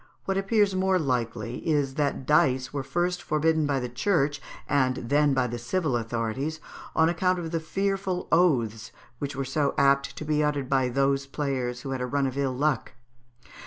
What appears more likely is, that dice were first forbidden by the Church, and then by the civil authorities, on account of the fearful oaths which were so apt to be uttered by those players who had a run of ill luck.